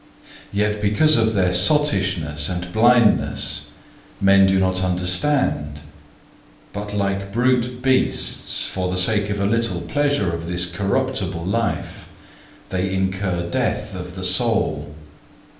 Yet because of their sottishness and blindness men do not understand; but like brute beasts, for the sake of a little pleasure of this corruptible life, they incur death of the soul.